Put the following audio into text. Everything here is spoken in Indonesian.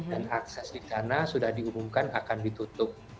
dan akses di sana sudah diumumkan akan ditutup